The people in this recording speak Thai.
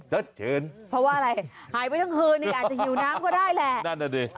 เพราะว่าอะไรหายไปทั้งคืนนี่อาจจะหิวน้ำก็ได้แหละ